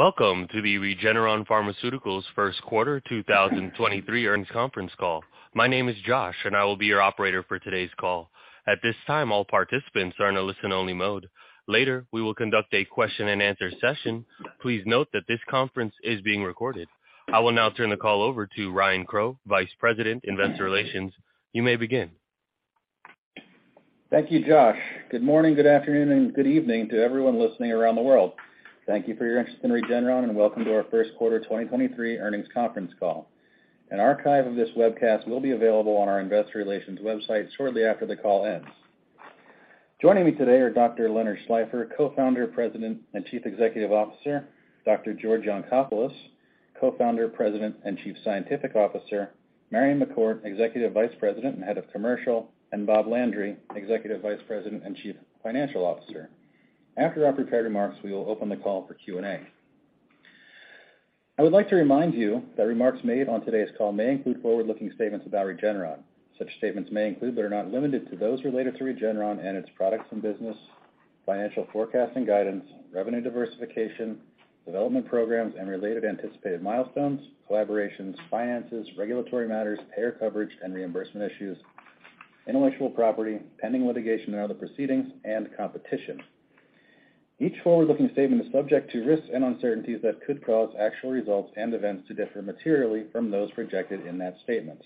Welcome to the Regeneron Pharmaceuticals Q1 2023 Earnings Conference Call. My name is Josh, and I will be your operator for today's call. At this time, all participants are in a listen-only mode. Later, we will conduct a question-and-answer session. Please note that this conference is being recorded. I will now turn the call over to Ryan Crowe, Vice President, Investor Relations. You may begin. Thank you, Josh. Good morning, good afternoon, and good evening to everyone listening around the world. Thank you for your interest in Regeneron. Welcome to our Q1 2023 earnings conference call. An archive of this webcast will be available on our investor relations website shortly after the call ends. Joining me today are Dr. Leonard Schleifer, Co-founder, President, and Chief Executive Officer, Dr. George Yancopoulos, Co-founder, President, and Chief Scientific Officer, Marion McCourt, Executive Vice President and Head of Commercial, and Bob Landry, Executive Vice President and Chief Financial Officer. After our prepared remarks, we will open the call for Q&A. I would like to remind you that remarks made on today's call may include forward-looking statements about Regeneron. Such statements may include, but are not limited to, those related to Regeneron and its products and business, financial forecast and guidance, revenue diversification, development programs and related anticipated milestones, collaborations, finances, regulatory matters, payer coverage and reimbursement issues, intellectual property, pending litigation and other proceedings, and competition. Each forward-looking statement is subject to risks and uncertainties that could cause actual results and events to differ materially from those projected in that statement.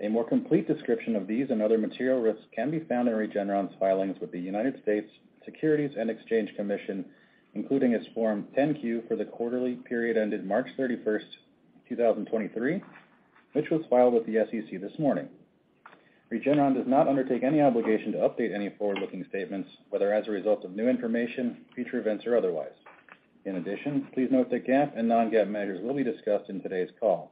A more complete description of these and other material risks can be found in Regeneron's filings with the United States Securities and Exchange Commission, including its Form 10-Q for the quarterly period ended March 31st, 2023, which was filed with the SEC this morning. Regeneron does not undertake any obligation to update any forward-looking statements, whether as a result of new information, future events, or otherwise. Please note that GAAP and non-GAAP measures will be discussed in today's call.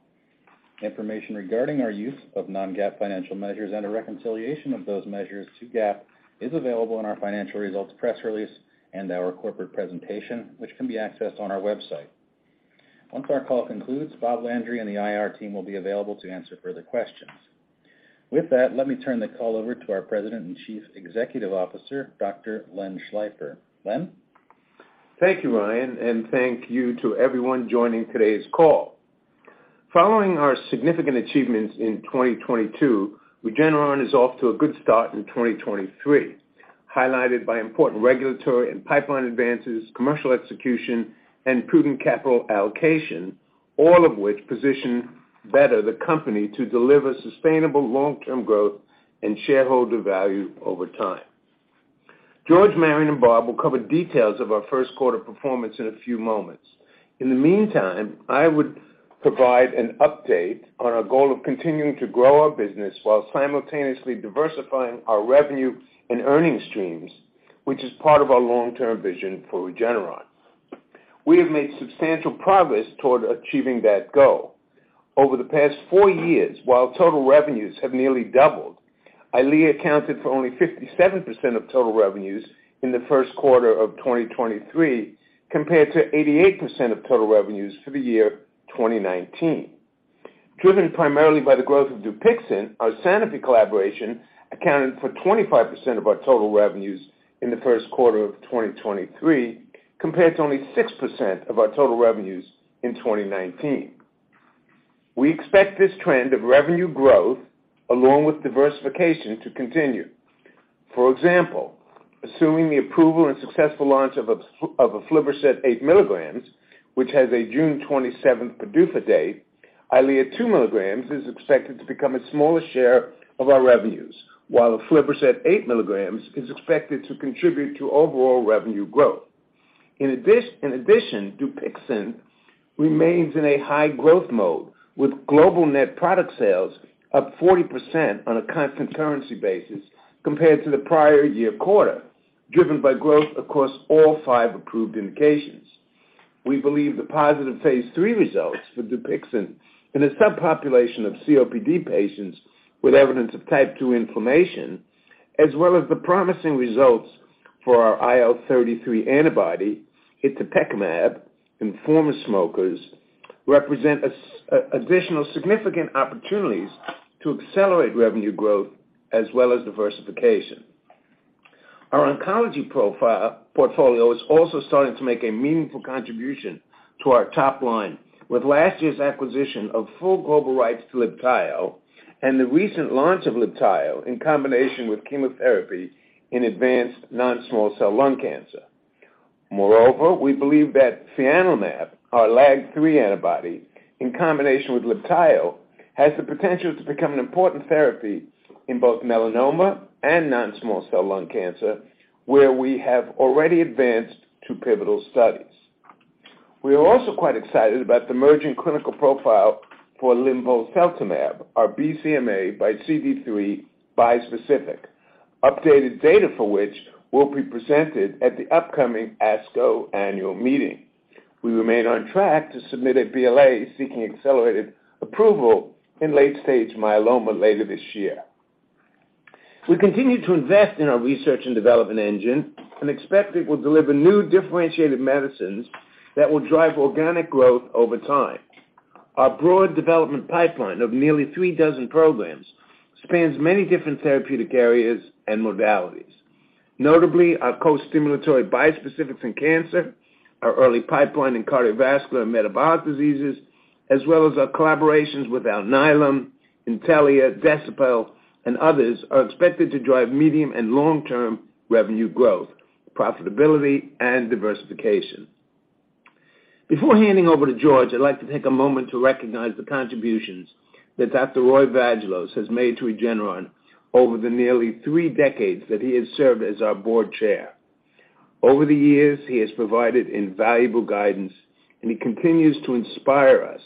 Information regarding our use of non-GAAP financial measures and a reconciliation of those measures to GAAP is available in our financial results press release and our corporate presentation, which can be accessed on our website. Once our call concludes, Bob Landry and the IR team will be available to answer further questions. Let me turn the call over to our President and Chief Executive Officer, Dr. Len Schleifer. Len? Thank you, Ryan, and thank you to everyone joining today's call. Following our significant achievements in 2022, Regeneron is off to a good start in 2023, highlighted by important regulatory and pipeline advances, commercial execution, and prudent capital allocation, all of which position better the company to deliver sustainable long-term growth and shareholder value over time. George, Marion, and Bob will cover details of our Q1 performance in a few moments. In the meantime, I would provide an update on our goal of continuing to grow our business while simultaneously diversifying our revenue and earning streams, which is part of our long-term vision for Regeneron. We have made substantial progress toward achieving that goal. Over the past four years, while total revenues have nearly doubled, EYLEA accounted for only 57% of total revenues in the Q1 of 2023, compared to 88% of total revenues for the year 2019. Driven primarily by the growth of DUPIXENT, our Sanofi collaboration accounted for 25% of our total revenues in the Q1 of 2023, compared to only 6% of our total revenues in 2019. We expect this trend of revenue growth along with diversification to continue. For example, assuming the approval and successful launch of aflibercept 8 mg, which has a June 27th PDUFA date, EYLEA 2 mg is expected to become a smaller share of our revenues, while aflibercept 8 mg is expected to contribute to overall revenue growth. In addition, DUPIXENT remains in a high-growth mode, with global net product sales up 40% on a constant currency basis compared to the prior year quarter, driven by growth across all five approved indications. We believe the positive phase III results for DUPIXENT in a subpopulation of COPD patients with evidence of type 2 inflammation, as well as the promising results for our IL-33 antibody, itepekimab in former smokers, represent additional significant opportunities to accelerate revenue growth as well as diversification. Our oncology portfolio is also starting to make a meaningful contribution to our top line, with last year's acquisition of full global rights to Libtayo and the recent launch of Libtayo in combination with chemotherapy in advanced non-small cell lung cancer. We believe that fianlimab, our LAG-3 antibody, in combination with Libtayo, has the potential to become an important therapy in both melanoma and non-small cell lung cancer, where we have already advanced 2 pivotal studies. We are also quite excited about the emerging clinical profile for linvoseltamab, our BCMA by CD3 bispecific, updated data for which will be presented at the upcoming ASCO annual meeting. We remain on track to submit a BLA seeking accelerated approval in late-stage myeloma later this year. We continue to invest in our research and development engine and expect it will deliver new differentiated medicines that will drive organic growth over time. Our broad development pipeline of nearly three dozen programs spans many different therapeutic areas and modalities. Notably, our co-stimulatory bispecifics in cancer, our early pipeline in cardiovascular and metabolic diseases, as well as our collaborations with Alnylam, Intellia, Deciphera, and others, are expected to drive medium and long-term revenue growth, profitability, and diversification. Before handing over to George, I'd like to take a moment to recognize the contributions that Dr. Roy Vagelos has made to Regeneron over the nearly three decades that he has served as our board chair. Over the years, he has provided invaluable guidance, and he continues to inspire us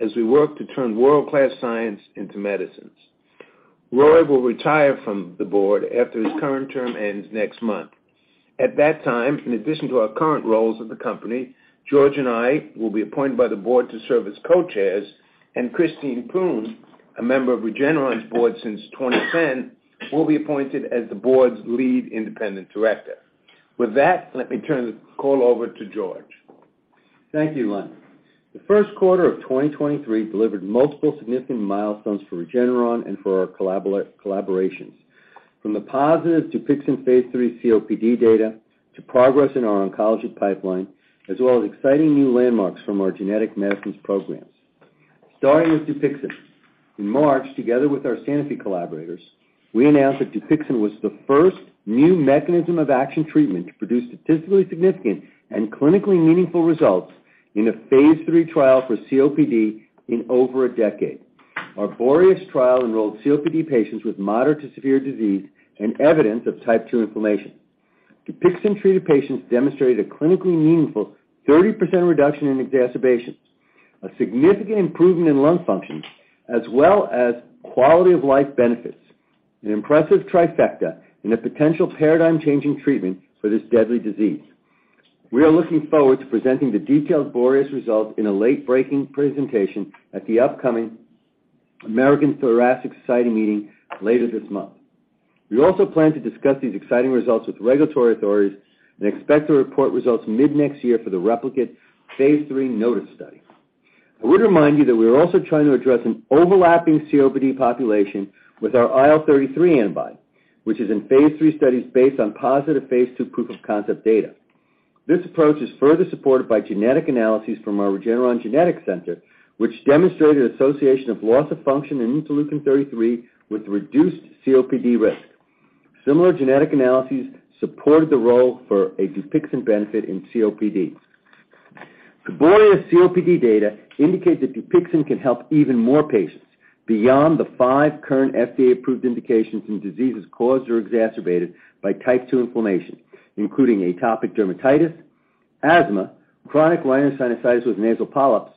as we work to turn world-class science into medicines. Roy will retire from the board after his current term ends next month. At that time, in addition to our current roles at the company, George and I will be appointed by the board to serve as co-chairs, and Christine Poon, a member of Regeneron's board since 2010, will be appointed as the board's Lead Independent Director. With that, let me turn the call over to George. Thank you, Len. The Q1 of 2023 delivered multiple significant milestones for Regeneron and for our collaborations, from the positive DUPIXENT phase III COPD data to progress in our oncology pipeline, as well as exciting new landmarks from our genetic medicines programs. Starting with DUPIXENT. In March, together with our Sanofi collaborators, we announced that DUPIXENT was the first new mechanism of action treatment to produce statistically significant and clinically meaningful results in a phase III trial for COPD in over a decade. Our BOREAS trial enrolled COPD patients with moderate to severe disease and evidence of type two inflammation. DUPIXENT-treated patients demonstrated a clinically meaningful 30% reduction in exacerbations, a significant improvement in lung function, as well as quality-of-life benefits, an impressive trifecta in a potential paradigm changing treatment for this deadly disease. We are looking forward to presenting the detailed BOREAS results in a late-breaking presentation at the upcoming American Thoracic Society meeting later this month. We also plan to discuss these exciting results with regulatory authorities and expect to report results mid-next year for the replicate phase III NOTUS study. I would remind you that we are also trying to address an overlapping COPD population with our IL-33 antibody, which is in phase III studies based on positive phase II proof of concept data. This approach is further supported by genetic analyses from our Regeneron Genetics Center, which demonstrated association of loss of function in interleukin-33 with reduced COPD risk. Similar genetic analyses supported the role for a Dupixent benefit in COPD. The BOREAS COPD data indicate that DUPIXENT can help even more patients beyond the 5 current FDA-approved indications in diseases caused or exacerbated by type 2 inflammation, including atopic dermatitis, asthma, chronic rhinosinusitis with nasal polyps,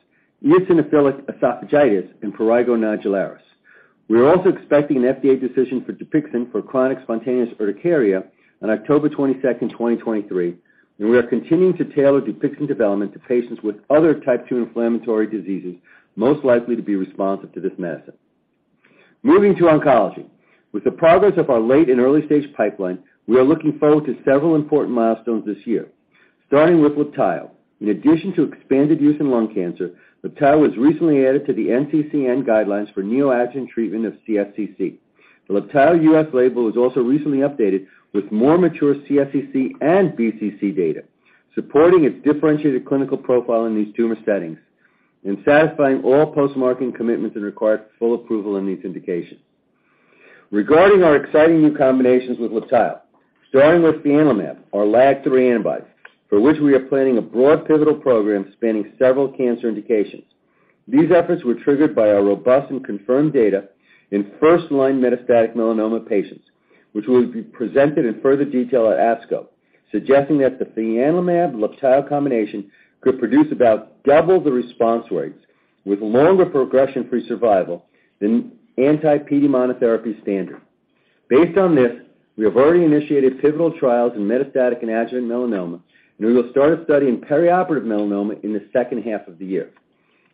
eosinophilic esophagitis, and prurigo nodularis. We are also expecting an FDA decision for DUPIXENT for chronic spontaneous urticaria on October 22, 2023, and we are continuing to tailor DUPIXENT development to patients with other type 2 inflammatory diseases most likely to be responsive to this medicine. Moving to oncology. With the progress of our late and early stage pipeline, we are looking forward to several important milestones this year, starting with Libtayo. In addition to expanded use in lung cancer, Libtayo was recently added to the NCCN guidelines for neoadjuvant treatment of CSCC. The Libtayo US label was also recently updated with more mature CSCC and BCC data, supporting its differentiated clinical profile in these tumor settings and satisfying all post-marketing commitments that require full approval in these indications. Regarding our exciting new combinations with Libtayo, starting with fianlimab, our LAG-3 antibody, for which we are planning a broad pivotal program spanning several cancer indications. These efforts were triggered by our robust and confirmed data in first-line metastatic melanoma patients, which will be presented in further detail at ASCO, suggesting that the fianlimab Libtayo combination could produce about double the response rates with longer progression-free survival than anti-PD monotherapy standard. Based on this, we have already initiated pivotal trials in metastatic and adjuvant melanoma. We will start a study in perioperative melanoma in the second half of the year.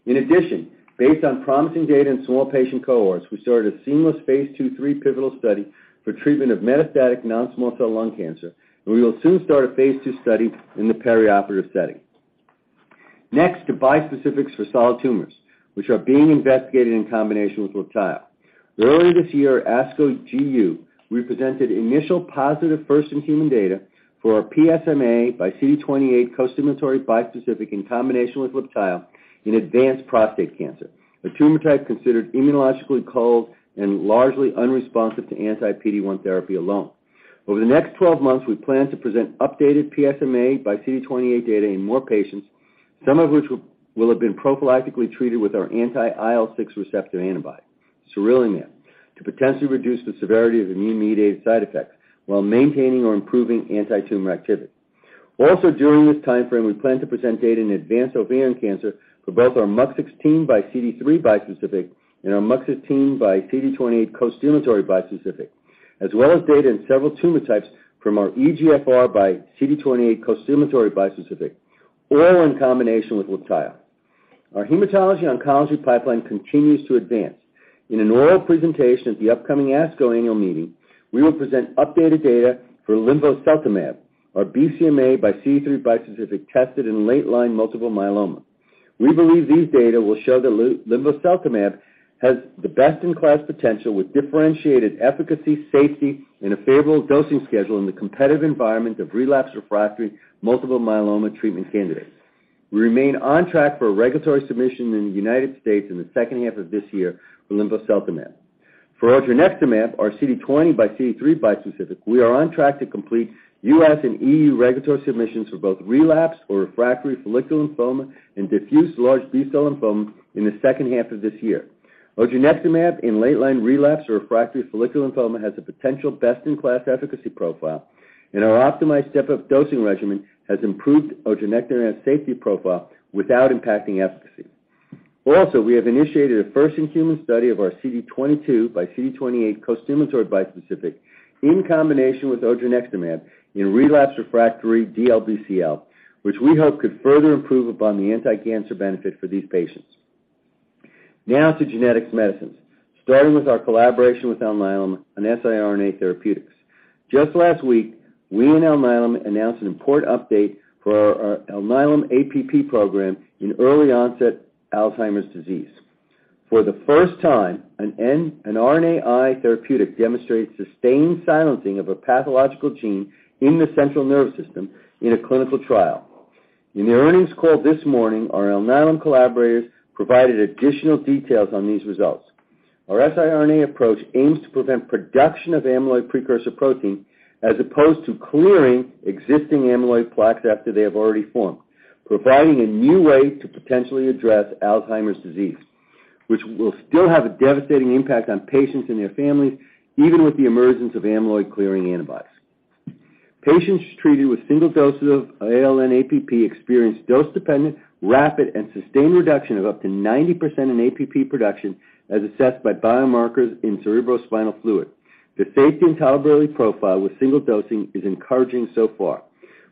In addition, based on promising data in small patient cohorts, we started a seamless phase II-III pivotal study for treatment of metastatic non-small cell lung cancer, and we will soon start a phase II study in the perioperative setting. To bispecifics for solid tumors, which are being investigated in combination with Libtayo. Earlier this year, ASCO GU, we presented initial positive first-in-human data for our PSMA by CD28 costimulatory bispecific in combination with Libtayo in advanced prostate cancer, a tumor type considered immunologically cold and largely unresponsive to anti-PD-1 therapy alone. Over the next 12 months, we plan to present updated PSMA by CD28 data in more patients, some of which will have been prophylactically treated with our anti-IL-6 receptor antibody, sarilumab, to potentially reduce the severity of immune-mediated side effects while maintaining or improving antitumor activity. During this timeframe, we plan to present data in advanced ovarian cancer for both our MUC16 by CD3 bispecific and our MUC16 by CD28 costimulatory bispecific, as well as data in several tumor types from our EGFR by CD28 costimulatory bispecific, all in combination with Libtayo. Our hematology-oncology pipeline continues to advance. In an oral presentation at the upcoming ASCO annual meeting, we will present updated data for linvoseltamab, our BCMA by CD3 bispecific tested in late-line multiple myeloma. We believe these data will show that linvoseltamab has the best in class potential with differentiated efficacy, safety, and a favorable dosing schedule in the competitive environment of relapsed refractory multiple myeloma treatment candidates. We remain on track for a regulatory submission in the United States in the second half of this year for linvoseltamab. For linvoseltamab, our CD20 by CD3 bispecific, we are on track to complete U.S. and E.U. regulatory submissions for both relapsed or refractory follicular lymphoma and diffuse large B-cell lymphoma in the second half of this year. Linvoseltamab in late-line relapse or refractory follicular lymphoma has a potential best-in-class efficacy profile, and our optimized step-up dosing regimen has improved linvoseltamab safety profile without impacting efficacy. We have initiated a first-in-human study of our CD22 by CD28 costimulatory bispecific in combination with linvoseltamab in relapsed refractory DLBCL, which we hope could further improve upon the anticancer benefit for these patients. To genetic medicines, starting with our collaboration with Alnylam on siRNA therapeutics. Just last week, we and Alnylam announced an important update for our Alnylam APP program in early-onset Alzheimer's disease. For the first time, an RNAi therapeutic demonstrates sustained silencing of a pathological gene in the central nervous system in a clinical trial. In the earnings call this morning, our Alnylam collaborators provided additional details on these results. Our siRNA approach aims to prevent production of amyloid precursor protein as opposed to clearing existing amyloid plaques after they have already formed, providing a new way to potentially address Alzheimer's disease, which will still have a devastating impact on patients and their families, even with the emergence of amyloid-clearing antibodies. Patients treated with single doses of ALN-APP experienced dose-dependent, rapid, and sustained reduction of up to 90% in APP production as assessed by biomarkers in cerebrospinal fluid. The safety and tolerability profile with single dosing is encouraging so far.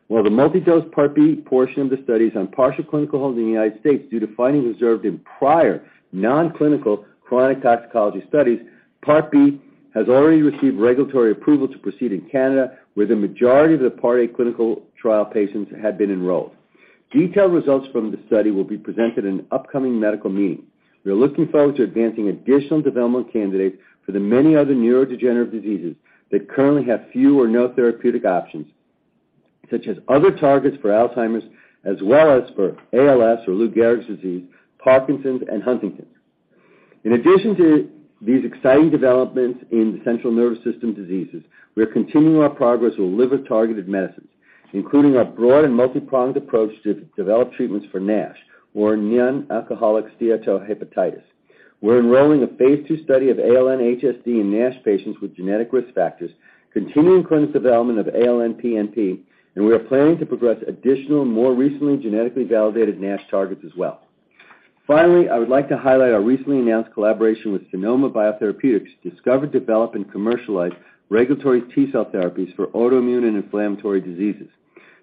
While the multi-dose Part B portion of the study is on partial clinical hold in the United States due to findings observed in prior nonclinical chronic toxicology studies, Part B has already received regulatory approval to proceed in Canada, where the majority of the Part A clinical trial patients had been enrolled. Detailed results from the study will be presented in an upcoming medical meeting. We are looking forward to advancing additional development candidates for the many other neurodegenerative diseases that currently have few or no therapeutic options, such as other targets for Alzheimer's, as well as for ALS or Lou Gehrig's disease, Parkinson's, and Huntington's. In addition to these exciting developments in the central nervous system diseases, we are continuing our progress with liver-targeted medicines, including our broad and multipronged approach to de-develop treatments for NASH or non-alcoholic steatohepatitis. We're enrolling a phase II study of ALN-HSD in NASH patients with genetic risk factors, continuing clinical development of ALN-PNP, and we are planning to progress additional, more recently genetically validated NASH targets as well. Finally, I would like to highlight our recently announced collaboration with Sonoma Biotherapeutics to discover, develop, and commercialize regulatory T-cell therapies for autoimmune and inflammatory diseases.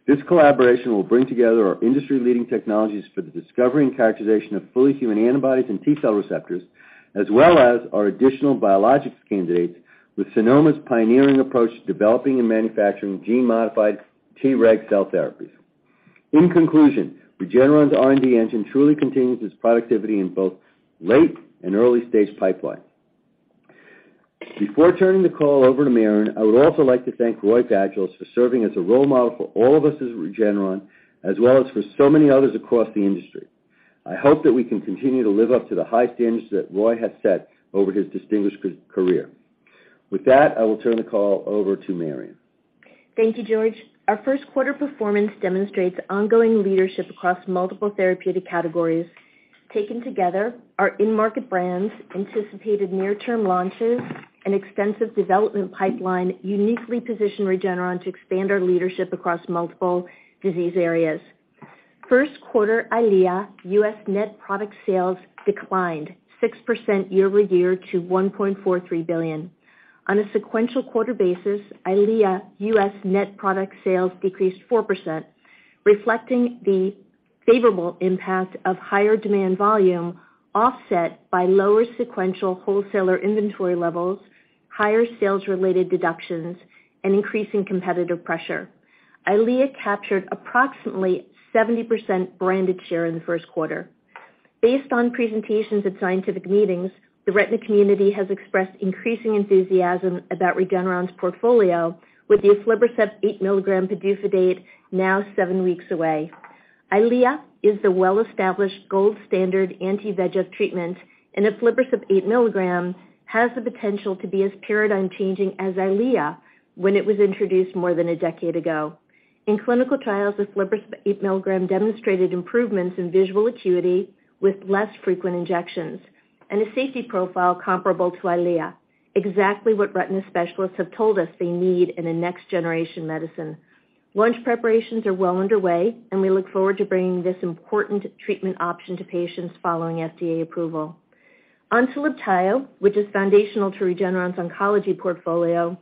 This collaboration will bring together our industry-leading technologies for the discovery and characterization of fully human antibodies and T-cell receptors, as well as our additional biologics candidates with Sonoma's pioneering approach to developing and manufacturing gene-modified Treg cell therapies. In conclusion, Regeneron's R&D engine truly continues its productivity in both late and early-stage pipeline. Before turning the call over to Marion, I would also like to thank Roy Vagelos for serving as a role model for all of us at Regeneron, as well as for so many others across the industry. I hope that we can continue to live up to the high standards that Roy has set over his distinguished career. With that, I will turn the call over to Marion. Thank you, George. Our Q1 performance demonstrates ongoing leadership across multiple therapeutic categories. Taken together, our in-market brands anticipated near-term launches and extensive development pipeline uniquely position Regeneron to expand our leadership across multiple disease areas. Q1 EYLEA U.S. net product sales declined 6% year-over-year to $1.43 billion. On a sequential quarter basis, EYLEA U.S. net product sales decreased 4%, reflecting the favorable impact of higher demand volume offset by lower sequential wholesaler inventory levels, higher sales-related deductions, and increasing competitive pressure. EYLEA captured approximately 70% branded share in the Q1. Based on presentations at scientific meetings, the retina community has expressed increasing enthusiasm about Regeneron's portfolio with the aflibercept 8 mg PDUFA date now 7 weeks away. EYLEA is the well-established gold standard anti-VEGF treatment, and aflibercept 8 mg has the potential to be as paradigm-changing as EYLEA when it was introduced more than a decade ago. In clinical trials, aflibercept 8 mg demonstrated improvements in visual acuity with less frequent injections and a safety profile comparable to EYLEA, exactly what retina specialists have told us they need in a next-generation medicine. Launch preparations are well underway, and we look forward to bringing this important treatment option to patients following FDA approval. Onto Libtayo, which is foundational to Regeneron's oncology portfolio,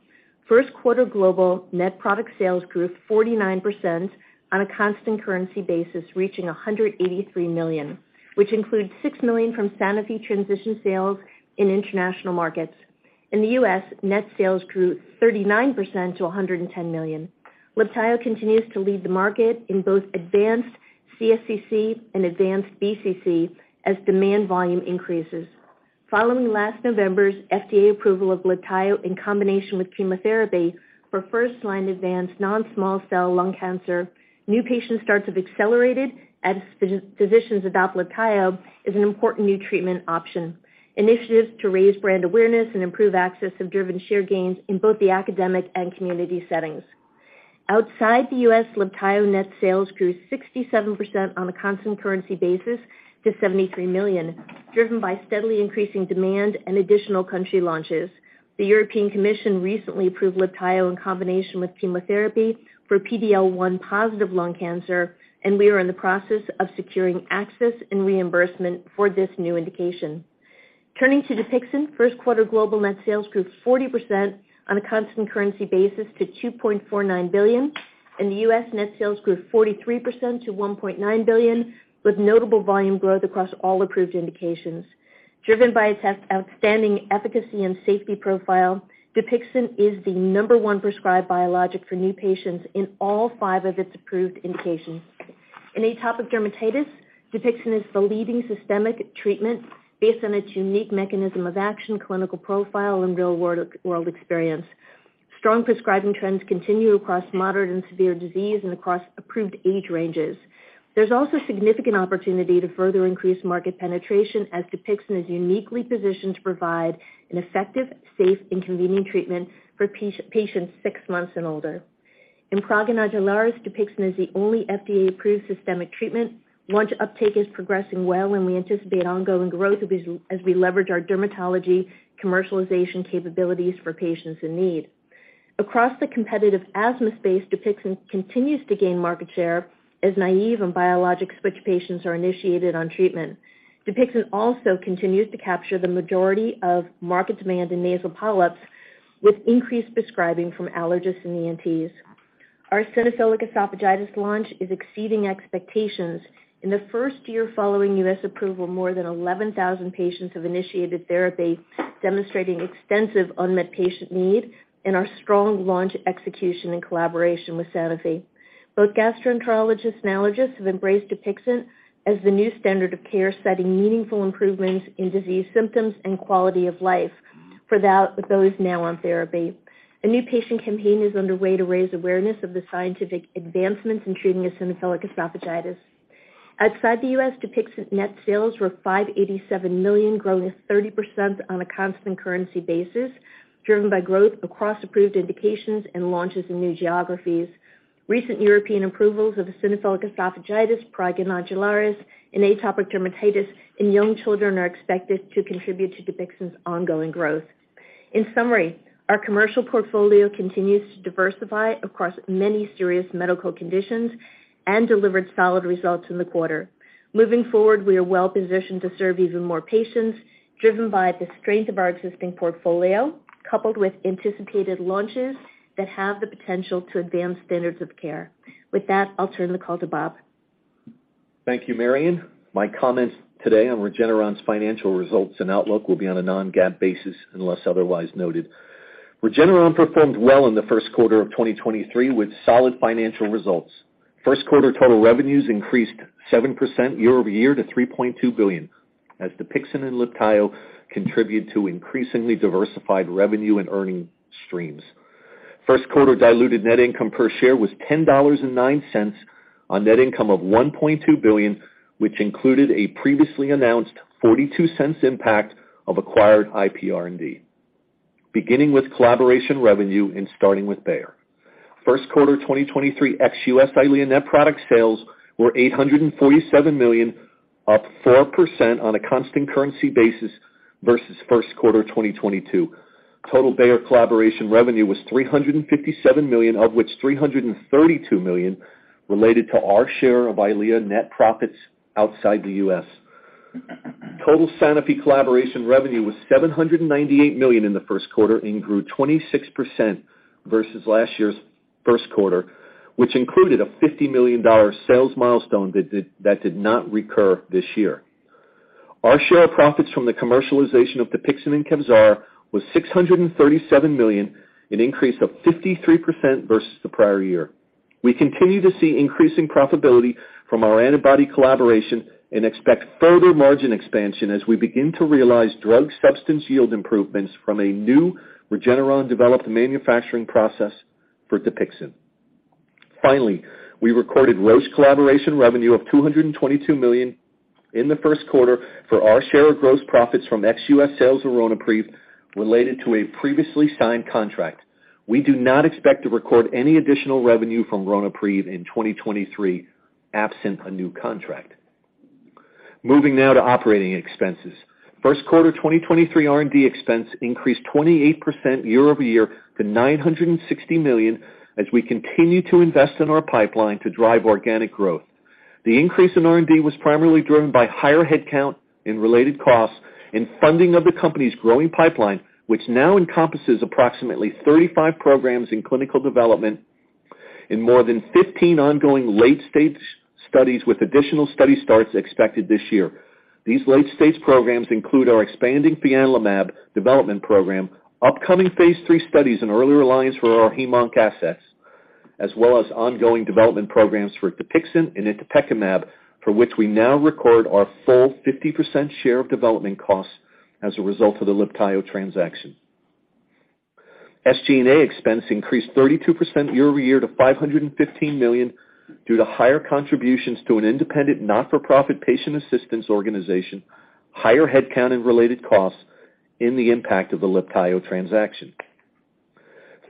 Q1 global net product sales grew 49% on a constant currency basis, reaching $183 million, which includes $6 million from Sanofi transition sales in international markets. In the U.S., net sales grew 39% to $110 million. Libtayo continues to lead the market in both advanced CSCC and advanced BCC as demand volume increases. Following last November's FDA approval of Libtayo in combination with chemotherapy for first line advanced non-small cell lung cancer, new patient starts have accelerated as physicians adopt Libtayo as an important new treatment option. Initiatives to raise brand awareness and improve access have driven share gains in both the academic and community settings. Outside the U.S., Libtayo net sales grew 67% on a constant currency basis to $73 million, driven by steadily increasing demand and additional country launches. The European Commission recently approved Libtayo in combination with chemotherapy for PD-L1 positive lung cancer. We are in the process of securing access and reimbursement for this new indication. Turning to Dupixent, Q1 global net sales grew 40% on a constant currency basis to $2.49 billion. In the U.S., net sales grew 43% to $1.9 billion, with notable volume growth across all approved indications. Driven by its outstanding efficacy and safety profile, Dupixent is the number 1 prescribed biologic for new patients in all 5 of its approved indications. In atopic dermatitis, Dupixent is the leading systemic treatment based on its unique mechanism of action, clinical profile and real world experience. Strong prescribing trends continue across moderate and severe disease and across approved age ranges. There's also significant opportunity to further increase market penetration as Dupixent is uniquely positioned to provide an effective, safe, and convenient treatment for patients 6 months and older. In prurigo nodularis, Dupixent is the only FDA-approved systemic treatment. Launch uptake is progressing well. We anticipate ongoing growth of this as we leverage our dermatology commercialization capabilities for patients in need. Across the competitive asthma space, Dupixent continues to gain market share as naive and biologic switch patients are initiated on treatment. Dupixent also continues to capture the majority of market demand in nasal polyps with increased prescribing from allergists and ENTs. Our eosinophilic esophagitis launch is exceeding expectations. In the first year following U.S. approval, more than 11,000 patients have initiated therapy, demonstrating extensive unmet patient need and our strong launch execution and collaboration with Sanofi. Both gastroenterologists and allergists have embraced Dupixent as the new standard of care, citing meaningful improvements in disease symptoms and quality of life for those now on therapy. A new patient campaign is underway to raise awareness of the scientific advancements in treating eosinophilic esophagitis. Outside the U.S., DUPIXENT net sales were $587 million, growing 30% on a constant currency basis, driven by growth across approved indications and launches in new geographies. Recent European approvals of eosinophilic esophagitis, prurigo nodularis, and atopic dermatitis in young children are expected to contribute to DUPIXENT's ongoing growth. In summary, our commercial portfolio continues to diversify across many serious medical conditions and delivered solid results in the quarter. Moving forward, we are well-positioned to serve even more patients, driven by the strength of our existing portfolio, coupled with anticipated launches that have the potential to advance standards of care. With that, I'll turn the call to Bob. Thank you, Marion. My comments today on Regeneron's financial results and outlook will be on a non-GAAP basis unless otherwise noted. Regeneron performed well in the Q1 of 2023 with solid financial results. Q1 total revenues increased 7% year-over-year to $3.2 billion as DUPIXENT and Libtayo contribute to increasingly diversified revenue and earning streams. Q1 diluted net income per share was $10.09 on net income of $1.2 billion, which included a previously announced $0.42 impact of acquired IP R&D. Beginning with collaboration revenue and starting with Bayer. Q1 2023 ex-U.S. EYLEA net product sales were $847 million, up 4% on a constant currency basis versus Q1 2022. Total Bayer collaboration revenue was $357 million, of which $332 million related to our share of EYLEA net profits outside the U.S. Total Sanofi collaboration revenue was $798 million in the Q1 and grew 26% versus last year's Q1, which included a $50 million sales milestone that did not recur this year. Our share of profits from the commercialization of DUPIXENT and Kevzara was $637 million, an increase of 53% versus the prior year. We continue to see increasing profitability from our antibody collaboration and expect further margin expansion as we begin to realize drug substance yield improvements from a new Regeneron-developed manufacturing process for DUPIXENT. We recorded Roche collaboration revenue of $222 million in the Q1 for our share of gross profits from ex-U.S. sales of Ronapreve related to a previously signed contract. We do not expect to record any additional revenue from Ronapreve in 2023, absent a new contract. Moving now to operating expenses. Q1 2023 R&D expense increased 28% year-over-year to $960 million as we continue to invest in our pipeline to drive organic growth. The increase in R&D was primarily driven by higher headcount in related costs and funding of the company's growing pipeline, which now encompasses approximately 35 programs in clinical development in more than 15 ongoing late stage studies with additional study starts expected this year. These late-stage programs include our expanding fianlimab development program, upcoming phase III studies in early reliance for our hematology-oncology assets, as well as ongoing development programs for DUPIXENT and itepekimab, for which we now record our full 50% share of development costs as a result of the Libtayo transaction. SG&A expense increased 32% year-over-year to $515 million due to higher contributions to an independent not-for-profit patient assistance organization, higher headcount and related costs in the impact of the Libtayo transaction.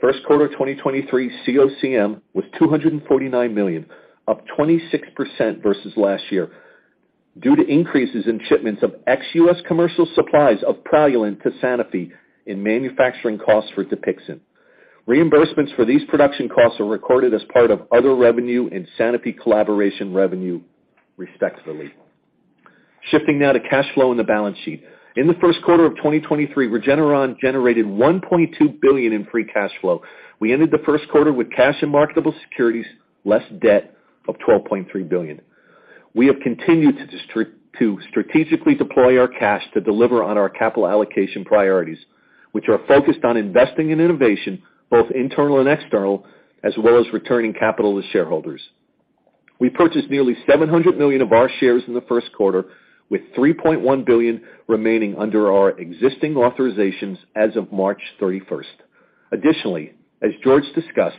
Q1 2023 COCM was $249 million, up 26% versus last year due to increases in shipments of ex-US commercial supplies of Praluent to Sanofi in manufacturing costs for DUPIXENT. Reimbursements for these production costs are recorded as part of other revenue and Sanofi collaboration revenue, respectively. Shifting now to cash flow in the balance sheet. In the Q1 of 2023, Regeneron generated $1.2 billion in free cash flow. We ended the Q1 with cash and marketable securities, less debt of $12.3 billion. We have continued to strategically deploy our cash to deliver on our capital allocation priorities, which are focused on investing in innovation, both internal and external, as well as returning capital to shareholders. We purchased nearly $700 million of our shares in the Q1, with $3.1 billion remaining under our existing authorizations as of March 31st. As George discussed,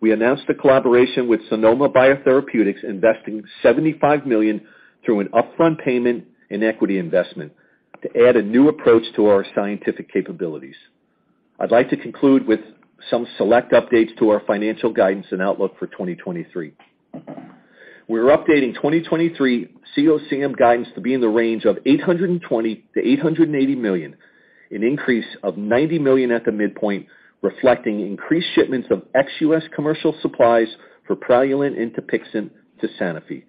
we announced a collaboration with Sonoma Biotherapeutics, investing $75 million through an upfront payment and equity investment to add a new approach to our scientific capabilities. I'd like to conclude with some select updates to our financial guidance and outlook for 2023. We're updating 2023 COCM guidance to be in the range of $820-$880 million, an increase of $90 million at the midpoint, reflecting increased shipments of ex-US commercial supplies for Praluent and Dupixent to Sanofi.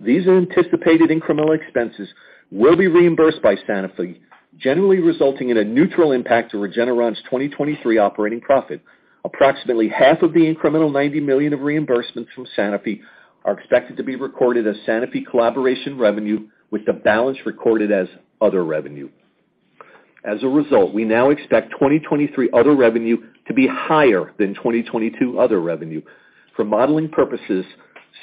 These anticipated incremental expenses will be reimbursed by Sanofi, generally resulting in a neutral impact to Regeneron's 2023 operating profit. Approximately half of the incremental $90 million of reimbursements from Sanofi are expected to be recorded as Sanofi collaboration revenue, with the balance recorded as other revenue. As a result, we now expect 2023 other revenue to be higher than 2022 other revenue. For modeling purposes,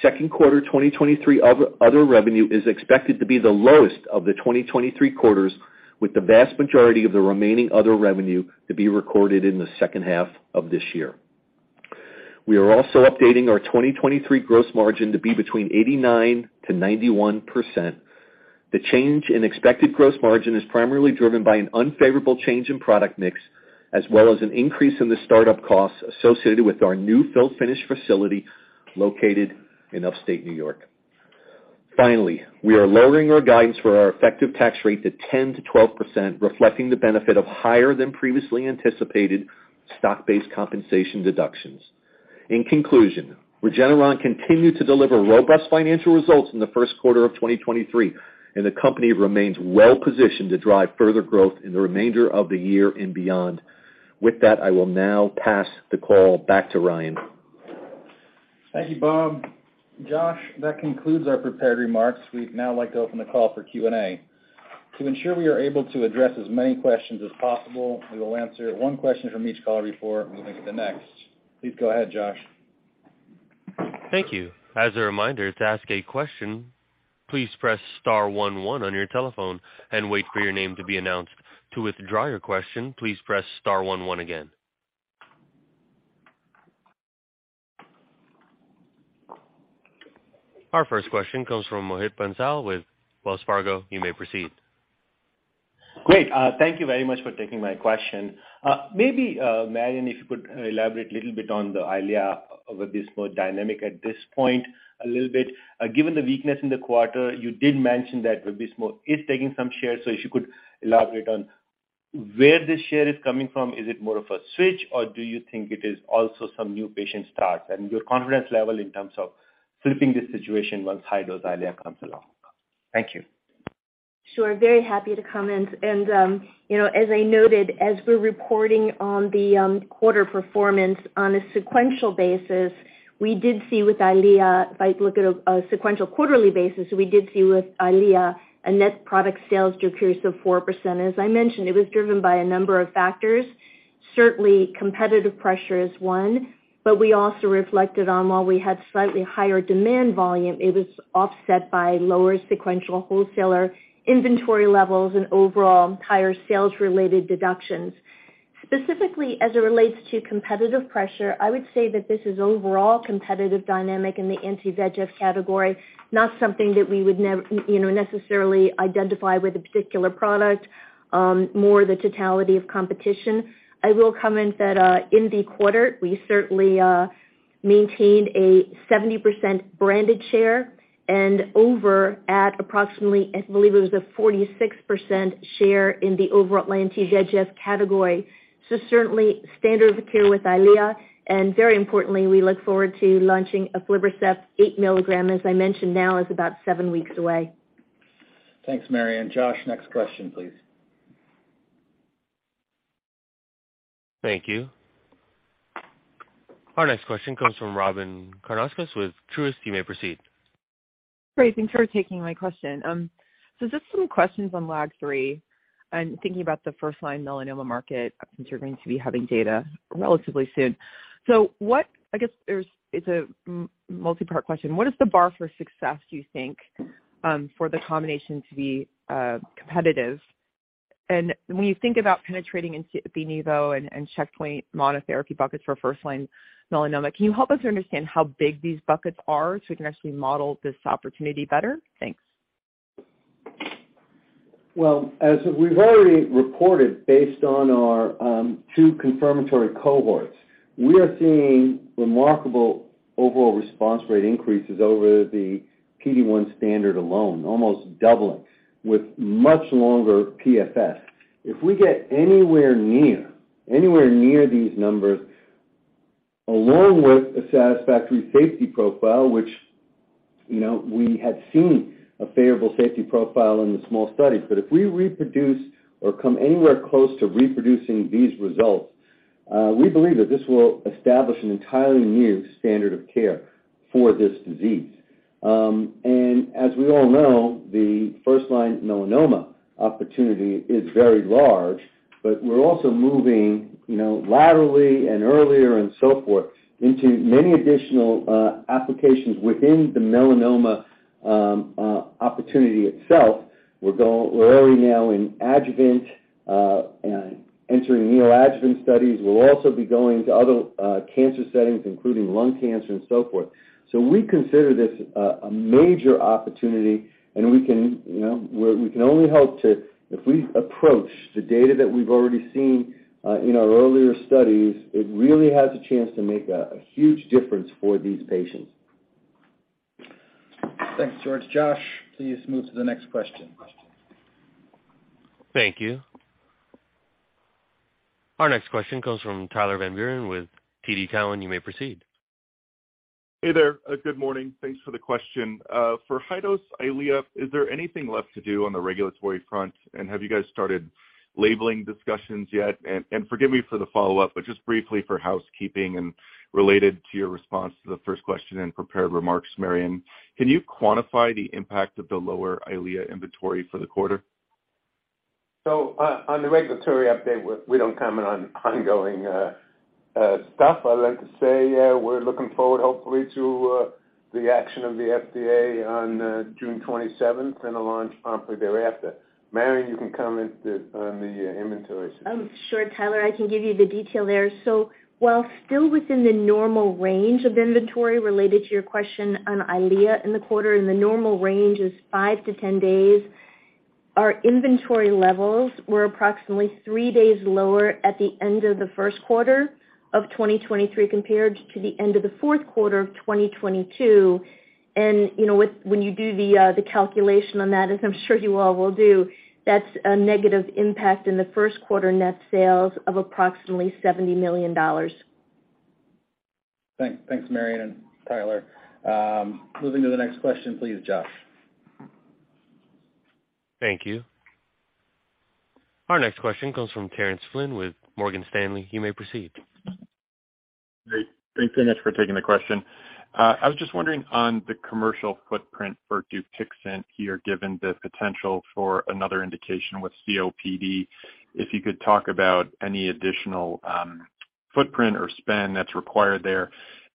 Q2 2023 other revenue is expected to be the lowest of the 2023 quarters, with the vast majority of the remaining other revenue to be recorded in the second half of this year. We are also updating our 2023 gross margin to be between 89%-91%. The change in expected gross margin is primarily driven by an unfavorable change in product mix, as well as an increase in the startup costs associated with our new fill finish facility located in Upstate New York. Finally, we are lowering our guidance for our effective tax rate to 10%-12%, reflecting the benefit of higher than previously anticipated stock-based compensation deductions. In conclusion, Regeneron continued to deliver robust financial results in the Q1 of 2023, and the company remains well positioned to drive further growth in the remainder of the year and beyond. With that, I will now pass the call back to Ryan. Thank you, Bob. Josh, that concludes our prepared remarks. We'd now like to open the call for Q&A. To ensure we are able to address as many questions as possible, we will answer one question from each caller before moving to the next. Please go ahead, Josh. Thank you. As a reminder, to ask a question, please press star one one on your telephone and wait for your name to be announced. To withdraw your question, please press star one one again. Our first question comes from Mohit Bansal with Wells Fargo. You may proceed. Great. Thank you very much for taking my question. Maybe, Marion, if you could elaborate a little bit on the EYLEA of Vabysmo dynamic at this point a little bit. Given the weakness in the quarter, you did mention that Vabysmo is taking some shares, so if you could elaborate on where the share is coming from, is it more of a switch, or do you think it is also some new patient start? And your confidence level in terms of flipping this situation once high-dose EYLEA comes along. Thank you. Sure. Very happy to comment. You know, as I noted, as we're reporting on the quarter performance on a sequential basis, we did see with EYLEA, if I look at a sequential quarterly basis, we did see with EYLEA a net product sales decrease of 4%. As I mentioned, it was driven by a number of factors. Certainly competitive pressure is one, but we also reflected on while we had slightly higher demand volume, it was offset by lower sequential wholesaler inventory levels and overall higher sales-related deductions. Specifically as it relates to competitive pressure, I would say that this is overall competitive dynamic in the anti-VEGF category, not something that we would you know, necessarily identify with a particular product, more the totality of competition. I will comment that, in the quarter, we certainly maintained a 70% branded share and over at approximately, I believe it was a 46% share in the overall anti-VEGF category. Certainly standard of care with EYLEA, and very importantly, we look forward to launching aflibercept 8 mg, as I mentioned now, is about seven weeks away. Thanks, Marion. Josh, next question, please. Thank you. Our next question comes from Robyn Karnauskas with Truist. You may proceed. Great. Thanks for taking my question. Just some questions on LAG-3 and thinking about the first-line melanoma market since you're going to be having data relatively soon. I guess it's a multi-part question. What is the bar for success, do you think, for the combination to be competitive? When you think about penetrating into PD-1 and checkpoint monotherapy buckets for first-line melanoma, can you help us understand how big these buckets are so we can actually model this opportunity better? Thanks. Well, as we've already reported based on our two confirmatory cohorts, we are seeing remarkable overall response rate increases over the PD-1 standard alone, almost doubling with much longer PFS. If we get anywhere near these numbers, along with a satisfactory safety profile, which, you know, we had seen a favorable safety profile in the small studies. If we reproduce or come anywhere close to reproducing these results, we believe that this will establish an entirely new standard of care for this disease. As we all know, the first-line melanoma opportunity is very large, but we're also moving, you know, laterally and earlier and so forth into many additional applications within the melanoma opportunity itself. We're already now in adjuvant and entering neoadjuvant studies. We'll also be going into other cancer settings, including lung cancer and so forth. We consider this a major opportunity, and we can, you know, we can only hope to... If we approach the data that we've already seen in our earlier studies, it really has a chance to make a huge difference for these patients. Thanks, George. Josh, please move to the next question. Thank you. Our next question comes from Tyler Van Buren with TD Cowen. You may proceed. Hey there. Good morning. Thanks for the question. For high-dose EYLEA, is there anything left to do on the regulatory front, and have you guys started labeling discussions yet? Forgive me for the follow-up, but just briefly for housekeeping and related to your response to the first question in prepared remarks, Marion, can you quantify the impact of the lower EYLEA inventory for the quarter? On the regulatory update, we don't comment on ongoing stuff. I'd like to say, we're looking forward hopefully to the action of the FDA on June 27th and a launch promptly thereafter. Marion, you can comment on the inventory situation. Sure, Tyler, I can give you the detail there. While still within the normal range of inventory related to your question on EYLEA in the quarter, and the normal range is 5-10 days, our inventory levels were approximately three days lower at the end of the Q1 of 2023 compared to the end of the fourth quarter of 2022. You know, when you do the calculation on that, as I'm sure you all will do, that's a negative impact in the Q1 net sales of approximately $70 million. Thanks. Thanks, Marion and Tyler. Moving to the next question, please, Josh. Thank you. Our next question comes from Terence Flynn with Morgan Stanley. You may proceed. Great. Thanks so much for taking the question. I was just wondering on the commercial footprint for DUPIXENT here, given the potential for another indication with COPD, if you could talk about any additional footprint or spend that's required there.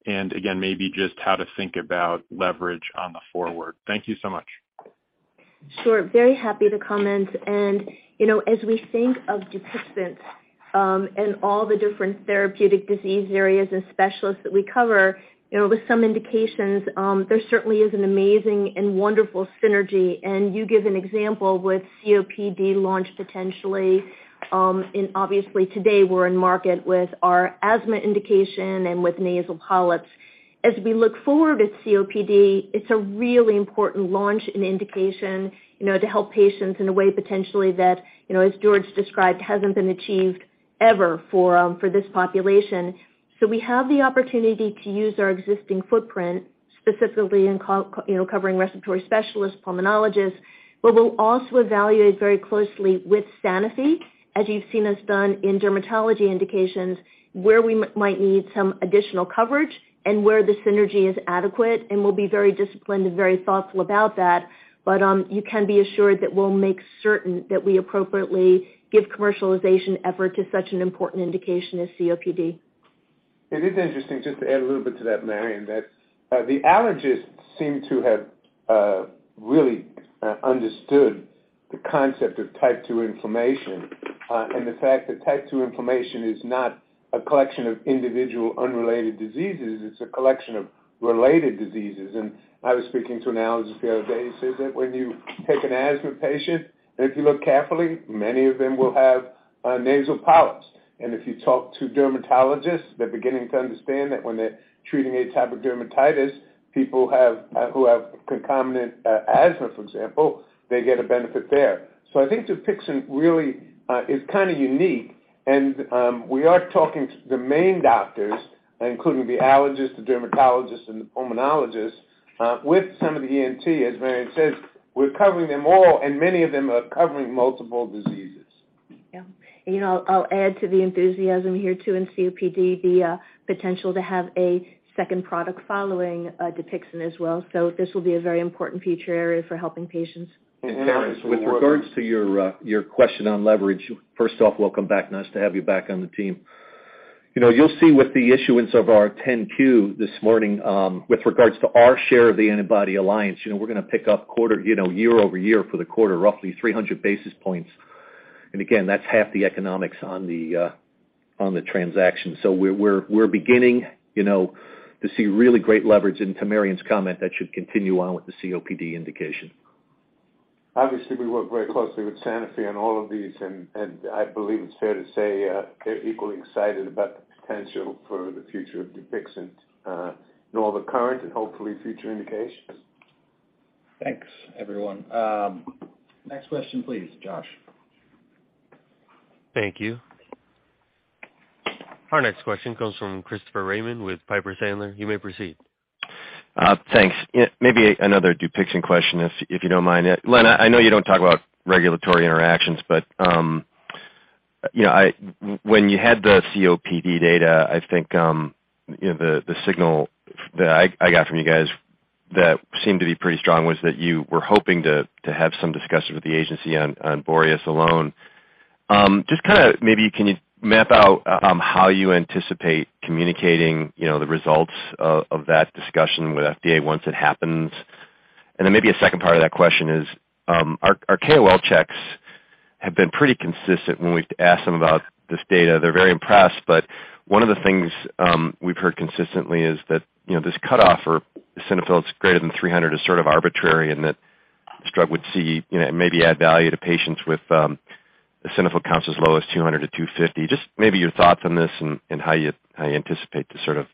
Again, maybe just how to think about leverage on the forward. Thank you so much. Sure. Very happy to comment. You know, as we think of DUPIXENT, and all the different therapeutic disease areas and specialists that we cover, you know, with some indications, there certainly is an amazing and wonderful synergy. You give an example with COPD launch potentially, and obviously today we're in market with our asthma indication and with nasal polyps. We look forward at COPD, it's a really important launch and indication, you know, to help patients in a way potentially that, you know, as George described, hasn't been achieved ever for this population. We have the opportunity to use our existing footprint, specifically in, you know, covering respiratory specialists, pulmonologists. We'll also evaluate very closely with Sanofi, as you've seen us done in dermatology indications, where we might need some additional coverage and where the synergy is adequate, and we'll be very disciplined and very thoughtful about that. You can be assured that we'll make certain that we appropriately give commercialization effort to such an important indication as COPD. It is interesting, just to add a little bit to that, Marion, that the allergists seem to have really understood the concept of type two inflammation, and the fact that type two inflammation is not a collection of individual unrelated diseases, it's a collection of related diseases. I was speaking to an allergist the other day. He says that when you take an asthma patient, if you look carefully, many of them will have nasal polyps. If you talk to dermatologists, they're beginning to understand that when they're treating atopic dermatitis, people who have concomitant asthma, for example, they get a benefit there. I think DUPIXENT really is kinda unique. We are talking to the main doctors, including the allergists, the dermatologists, and the pulmonologists, with some of the ENT. As Marion says, we're covering them all, and many of them are covering multiple diseases. Yeah. You know, I'll add to the enthusiasm here too in COPD, the potential to have a second product following Dupixent as well. This will be a very important future area for helping patients. With regards to your question on leverage, first off, welcome back. Nice to have you back on the team. You'll see with the issuance of our 10-Q this morning, with regards to our share of the antibody collaboration, we're gonna pick up quarter year-over-year for the quarter, roughly 300 basis points. Again, that's half the economics on the transaction. We're beginning to see really great leverage into Marion's comment, that should continue on with the COPD indication. Obviously, we work very closely with Sanofi on all of these, and I believe it's fair to say, they're equally excited about the potential for the future of Dupixent, and all the current and hopefully future indications. Thanks, everyone. Next question, please, Josh. Thank you. Our next question comes from Christopher Raymond with Piper Sandler. You may proceed. Thanks. Yeah, maybe another DUPIXENT question if you don't mind. Len, I know you don't talk about regulatory interactions, but, you know, when you had the COPD data, I think, you know, the signal that I got from you guys that seemed to be pretty strong was that you were hoping to have some discussions with the agency on BOREAS alone. Just kinda maybe can you map out how you anticipate communicating, you know, the results of that discussion with FDA once it happens? Maybe a second part of that question is, our KOL checks have been pretty consistent when we've asked them about this data. They're very impressed, but one of the things, we've heard consistently is that, you know, this cutoff for eosinophils greater than 300 is sort of arbitrary and that Strug would see, you know, maybe add value to patients with, eosinophil counts as low as 200-250. Just maybe your thoughts on this and, how you anticipate to sort of,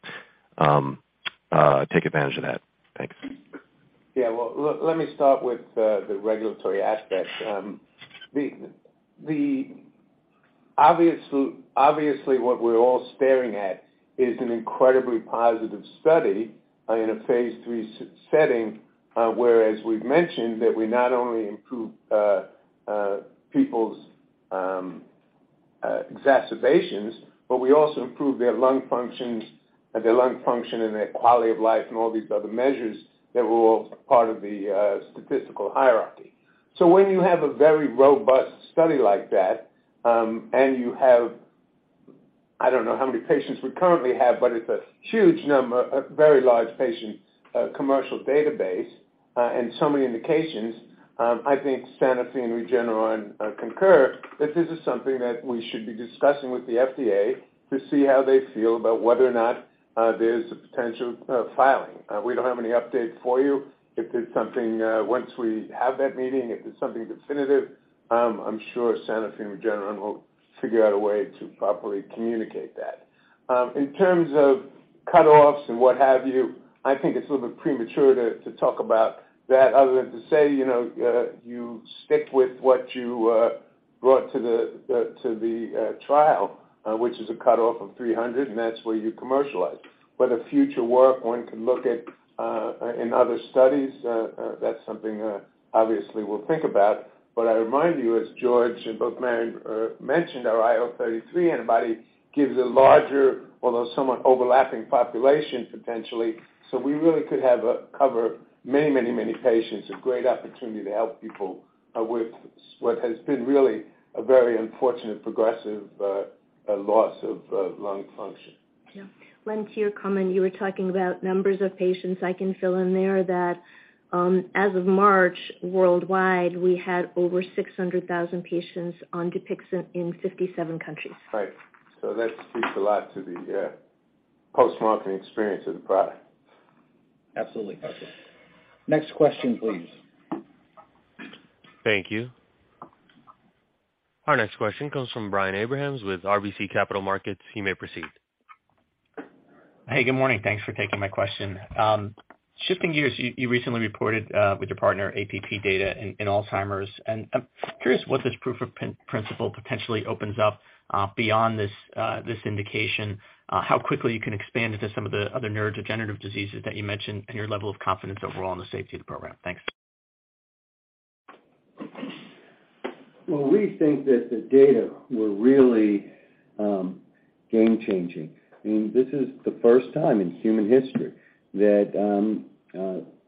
take advantage of that. Thanks. Yeah. Well, let me start with the regulatory aspect. Obviously, what we're all staring at is an incredibly positive study in a phase III setting, where, as we've mentioned, that we not only improve people's exacerbations, but we also improve their lung functions, their lung function and their quality of life and all these other measures that were all part of the statistical hierarchy. When you have a very robust study like that, and you have, I don't know how many patients we currently have, but it's a huge number, a very large patient, commercial database, and so many indications, I think Sanofi and Regeneron concur that this is something that we should be discussing with the FDA to see how they feel about whether or not there's a potential filing. We don't have any updates for you. If there's something, once we have that meeting, if there's something definitive, I'm sure Sanofi and Regeneron will figure out a way to properly communicate that. In terms of cutoffs and what have you, I think it's a little bit premature to talk about that other than to say, you know, you stick with what you brought to the trial, which is a cutoff of 300, and that's where you commercialize. A future work one can look at in other studies, that's something obviously we'll think about. I remind you, as George and both Marion mentioned, our IL-33 antibody gives a larger, although somewhat overlapping population, potentially. We really could have a cover many patients, a great opportunity to help people with what has been really a very unfortunate progressive loss of lung function. Yeah. Len, to your comment, you were talking about numbers of patients. I can fill in there that, as of March worldwide, we had over 600,000 patients on DUPIXENT in 57 countries. Right. That speaks a lot to the post-marketing experience of the product. Absolutely. Next question, please. Thank you. Our next question comes from Brian Abrahams with RBC Capital Markets. You may proceed. Hey, good morning. Thanks for taking my question. Shifting gears, you recently reported with your partner APP data in Alzheimer's, and I'm curious what this proof of principle potentially opens up beyond this indication, how quickly you can expand into some of the other neurodegenerative diseases that you mentioned and your level of confidence overall in the safety of the program. Thanks. Well, we think that the data were really, game-changing. I mean, this is the first time in human history that,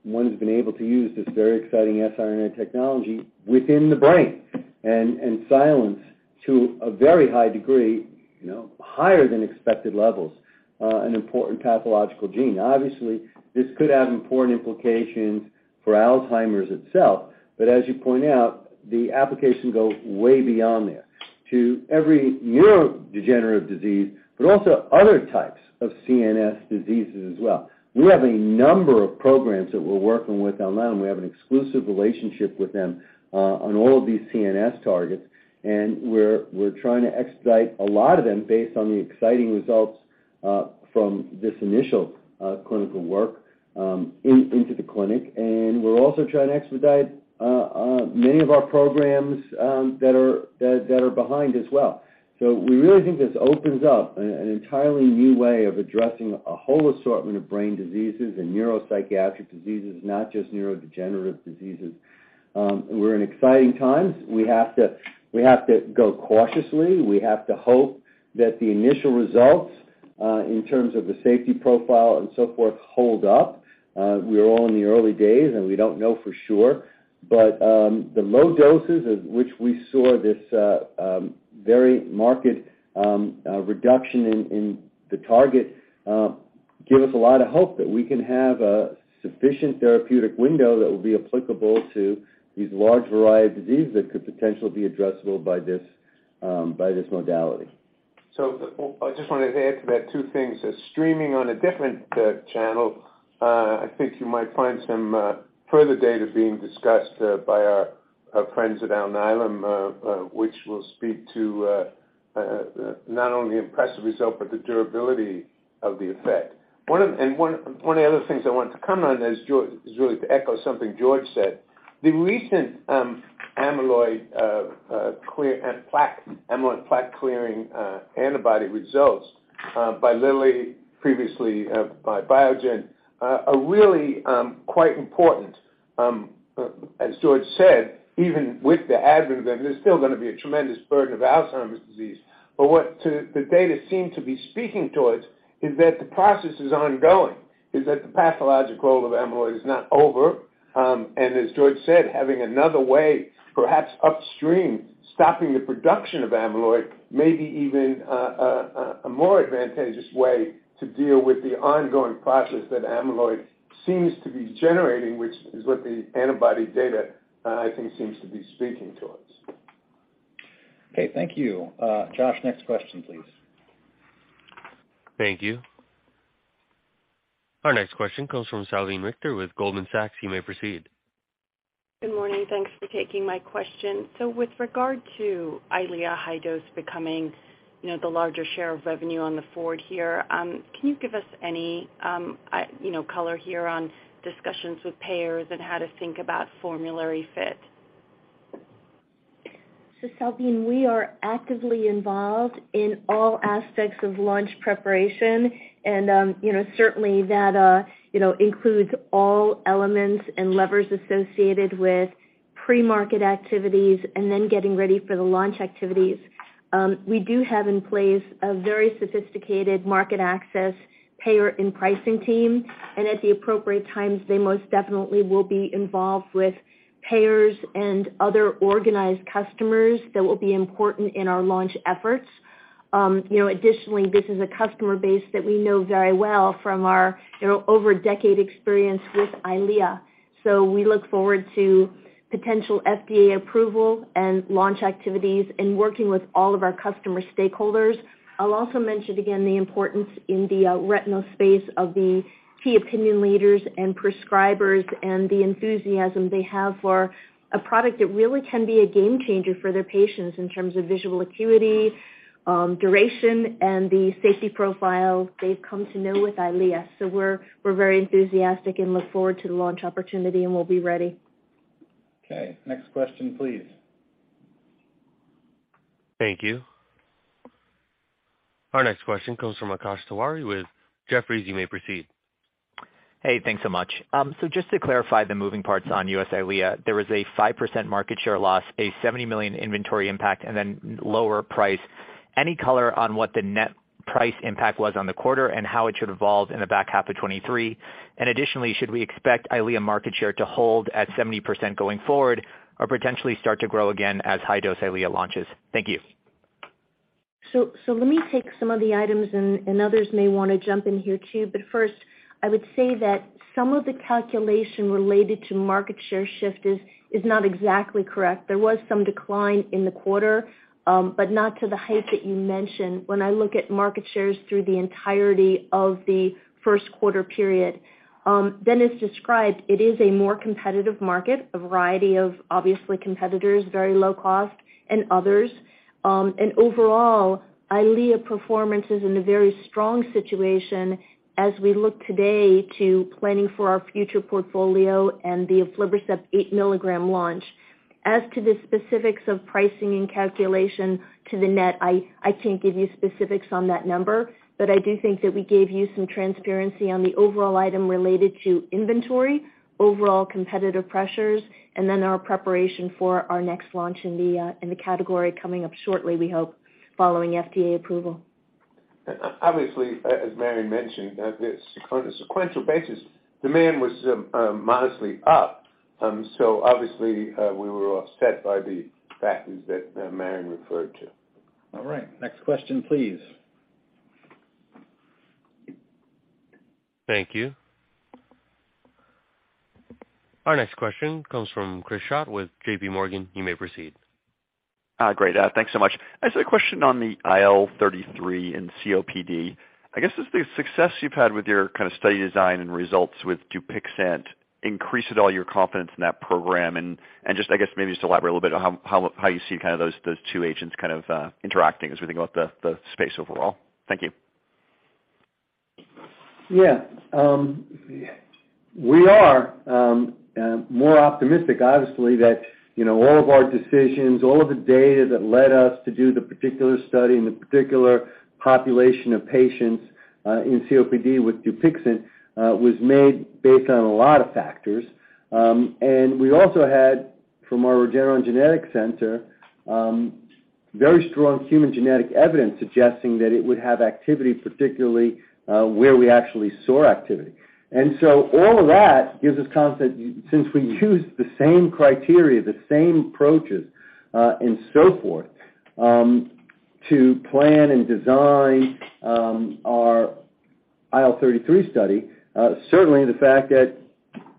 one's been able to use this very exciting sRNA technology within the brain and silence to a very high degree, you know, higher than expected levels, an important pathological gene. Obviously, this could have important implications for Alzheimer's itself, but as you point out, the applications go way beyond that to every neurodegenerative disease, but also other types of CNS diseases as well. We have a number of programs that we're working with Alnylam. We have an exclusive relationship with them, on all of these CNS targets, and we're trying to expedite a lot of them based on the exciting results, from this initial, clinical work, into the clinic. We're also trying to expedite many of our programs that are behind as well. We really think this opens up an entirely new way of addressing a whole assortment of brain diseases and neuropsychiatric diseases, not just neurodegenerative diseases. We're in exciting times. We have to go cautiously. We have to hope that the initial results in terms of the safety profile and so forth hold up. We are all in the early days, and we don't know for sure. The low doses at which we saw this very marked reduction in the target give us a lot of hope that we can have a sufficient therapeutic window that will be applicable to these large variety of diseases that could potentially be addressable by this modality. I just wanted to add to that 2 things. Streaming on a different channel, I think you might find some further data being discussed by our friends at Alnylam, which will speak to not only impressive result, but the durability of the effect. One of the other things I wanted to comment on is really to echo something George said. The recent amyloid plaque-clearing antibody results by Lilly, previously by Biogen, are really quite important. As George said, even with the advent of them, there's still gonna be a tremendous burden of Alzheimer's disease. What the data seem to be speaking towards is that the process is ongoing, is that the pathologic role of amyloid is not over. As George said, having another way, perhaps upstream, stopping the production of amyloid may be even a more advantageous way to deal with the ongoing process that amyloid seems to be generating, which is what the antibody data, I think seems to be speaking to us. Okay, thank you. Josh, next question, please. Thank you. Our next question comes from Salveen Richter with Goldman Sachs. You may proceed. Good morning. Thanks for taking my question. With regard to EYLEA high dose becoming, you know, the larger share of revenue on the forward here, can you give us any, you know, color here on discussions with payers and how to think about formulary fit? Salveen, we are actively involved in all aspects of launch preparation, and, you know, certainly that, you know, includes all elements and levers associated with pre-market activities and then getting ready for the launch activities. We do have in place a very sophisticated market access payer and pricing team, and at the appropriate times, they most definitely will be involved with payers and other organized customers that will be important in our launch efforts. You know, additionally, this is a customer base that we know very well from our you know, over a decade experience with EYLEA. We look forward to potential FDA approval and launch activities and working with all of our customer stakeholders. I'll also mention again the importance in the retinal space of the key opinion leaders and prescribers and the enthusiasm they have for a product that really can be a game changer for their patients in terms of visual acuity, duration, and the safety profile they've come to know with EYLEA. We're very enthusiastic and look forward to the launch opportunity, and we'll be ready. Okay. Next question, please. Thank you. Our next question comes from Akash Tewari with Jefferies. You may proceed. Hey, thanks so much. Just to clarify the moving parts on U.S. EYLEA, there was a 5% market share loss, a $70 million inventory impact, and then lower price. Any color on what the net price impact was on the quarter and how it should evolve in the back half of 2023? Additionally, should we expect EYLEA market share to hold at 70% going forward or potentially start to grow again as high-dose EYLEA launches? Thank you. Let me take some of the items, and others may wanna jump in here too. First, I would say that some of the calculation related to market share shift is not exactly correct. There was some decline in the quarter, not to the height that you mentioned. When I look at market shares through the entirety of the Q1 period, as described, it is a more competitive market, a variety of obviously competitors, very low cost and others. Overall, EYLEA performance is in a very strong situation as we look today to planning for our future portfolio and the aflibercept 8 mg launch. As to the specifics of pricing and calculation to the net, I can't give you specifics on that number. I do think that we gave you some transparency on the overall item related to inventory, overall competitive pressures, and then our preparation for our next launch in the category coming up shortly, we hope, following FDA approval. Obviously, as Mary mentioned, this on a sequential basis, demand was modestly up. Obviously, we were offset by the factors that Mary referred to. All right. Next question, please. Thank you. Our next question comes from Chris Schott with J.P. Morgan. You may proceed. Great. Thanks so much. I just had a question on the IL-33 and COPD. I guess with the success you've had with your kind of study design and results with DUPIXENT, increased at all your confidence in that program, and just I guess maybe just elaborate a little bit on how you see kind of those two agents kind of interacting as we think about the space overall. Thank you. We are more optimistic obviously that, you know, all of our decisions, all of the data that led us to do the particular study and the particular population of patients. In COPD with Dupixent was made based on a lot of factors. We also had from our Regeneron Genetics Center, very strong human genetic evidence suggesting that it would have activity, particularly, where we actually saw activity. All of that gives us confidence since we used the same criteria, the same approaches, and so forth, to plan and design, our IL-33 study, certainly the fact that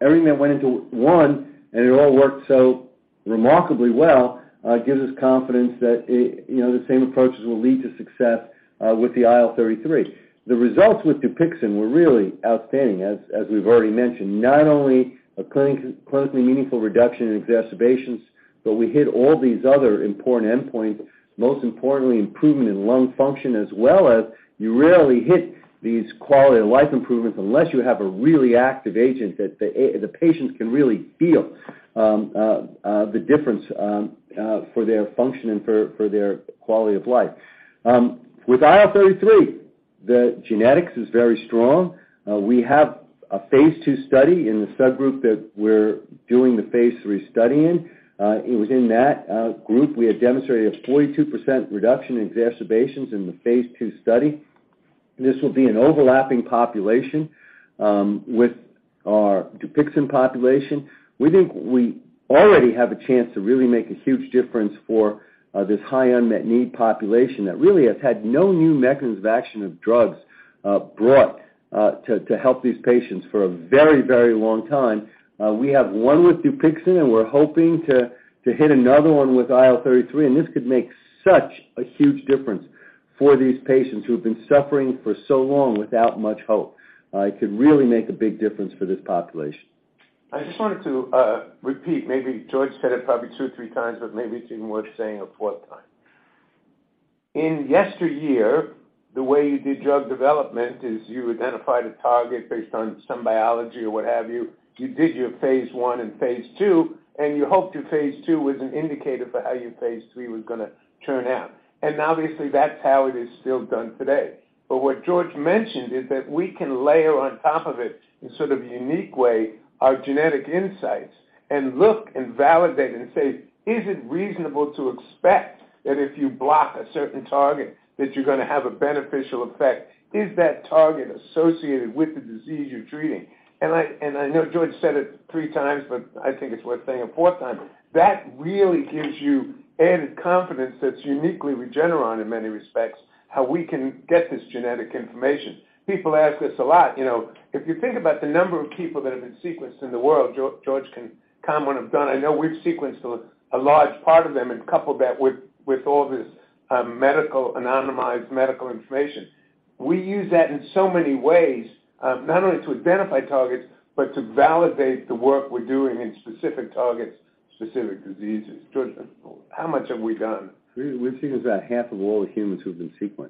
everything that went into one and it all worked so remarkably well, gives us confidence that, you know, the same approaches will lead to success with the IL-33. The results with Dupixent were really outstanding, as we've already mentioned, not only a clinically meaningful reduction in exacerbations, but we hit all these other important endpoints, most importantly, improvement in lung function, as well as you rarely hit these quality of life improvements unless you have a really active agent that the patients can really feel the difference for their function and for their quality of life. With IL-33, the genetics is very strong. We have a phase two study in the subgroup that we're doing the phase three study in. It was in that group we had demonstrated a 42% reduction in exacerbations in the phase two study. This will be an overlapping population with our Dupixent population. We think we already have a chance to really make a huge difference for this high unmet need population that really has had no new mechanism of action of drugs brought to help these patients for a very, very long time. We have one with DUPIXENT. We're hoping to hit another one with IL-33, and this could make such a huge difference for these patients who have been suffering for so long without much hope. It could really make a big difference for this population. I just wanted to repeat, maybe George said it probably two or three times, but maybe it's even worth saying a fourth time. In yesteryear, the way you did drug development is you identified a target based on some biology or what have you. You did your phase I and phase II, and you hoped your phase II was an indicator for how your phase III was going to turn out. Obviously, that's how it is still done today. What George mentioned is that we can layer on top of it in sort of a unique way, our genetic insights and look and validate and say, "Is it reasonable to expect that if you block a certain target that you're going to have a beneficial effect? Is that target associated with the disease you're treating?" I know George said it three times, but I think it's worth saying a fourth time. That really gives you added confidence that's uniquely Regeneron in many respects, how we can get this genetic information. People ask us a lot, you know, if you think about the number of people that have been sequenced in the world, George can comment on what I've done. I know we've sequenced a large part of them and coupled that with all this anonymized medical information. We use that in so many ways, not only to identify targets, but to validate the work we're doing in specific targets, specific diseases. George, how much have we done? We've sequenced about half of all the humans who have been sequenced.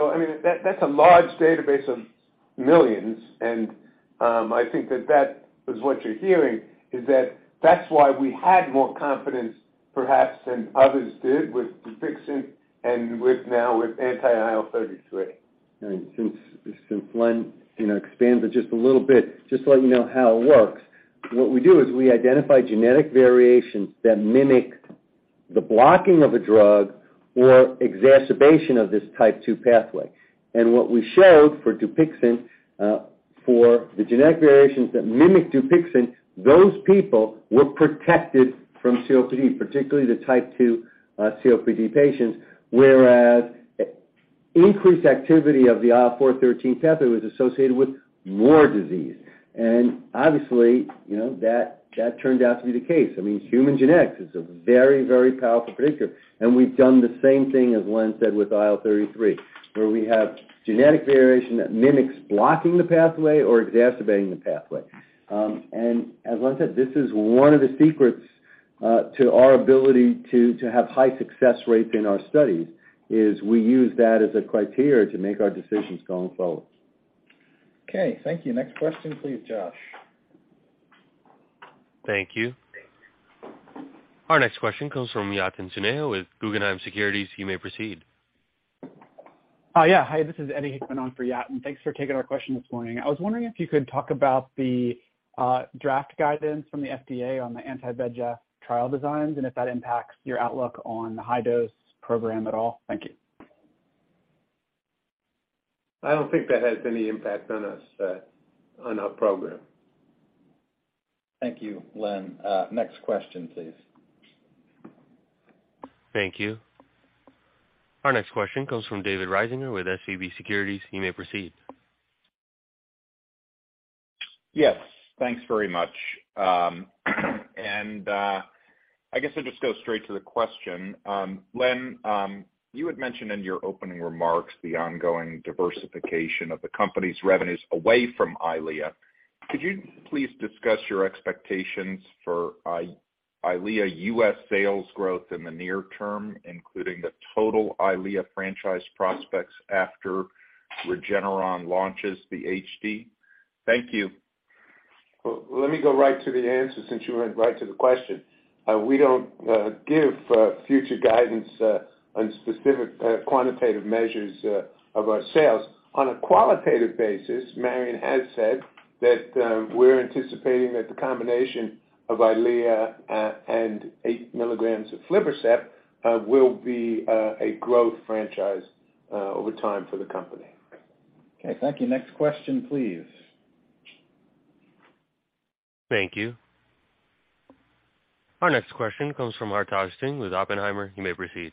I mean, that's a large database of millions, I think that that is what you're hearing is that that's why we had more confidence perhaps than others did with DUPIXENT and with now with anti-IL-33. Since Len, you know, expanded just a little bit, just to let you know how it works, what we do is we identify genetic variations that mimic the blocking of a drug or exacerbation of this type 2 pathway. What we showed for DUPIXENT, for the genetic variations that mimic DUPIXENT, those people were protected from COPD, particularly the type 2 COPD patients, whereas increased activity of the IL-4 13 pathway was associated with more disease. Obviously, you know, that turned out to be the case. I mean, human genetics is a very, very powerful predictor. We've done the same thing, as Len said, with IL-33, where we have genetic variation that mimics blocking the pathway or exacerbating the pathway. As Len said, this is one of the secrets, to our ability to have high success rates in our studies, is we use that as a criteria to make our decisions going forward. Okay. Thank you. Next question, please, Josh. Thank you. Our next question comes from Yatin Suneja with Guggenheim Securities. You may proceed. Yeah. Hi, this is Eddie Hickman on for Yatin. Thanks for taking our question this morning. I was wondering if you could talk about the draft guidance from the FDA on the anti-VEGF trial designs and if that impacts your outlook on the high-dose program at all. Thank you. I don't think that has any impact on us, on our program. Thank you, Len. Next question, please. Thank you. Our next question comes from David Risinger with SVB Securities. You may proceed. Yes, thanks very much. I guess I'll just go straight to the question. Len, you had mentioned in your opening remarks the ongoing diversification of the company's revenues away from EYLEA. Could you please discuss your expectations for EYLEA U.S. sales growth in the near term, including the total EYLEA franchise prospects after Regeneron launches the HD? Thank you. Well, let me go right to the answer since you went right to the question. We don't give future guidance on specific quantitative measures of our sales. On a qualitative basis, Marion has said that we're anticipating that the combination of EYLEA and 8 milligrams of aflibercept will be a growth franchise over time for the company. Okay, thank you. Next question, please. Thank you. Our next question comes from Hartaj Singh with Oppenheimer. You may proceed.